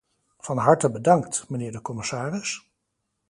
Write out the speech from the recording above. Van harte bedankt, mijnheer de commissaris.